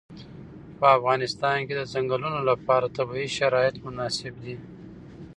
په افغانستان کې د چنګلونه لپاره طبیعي شرایط مناسب دي.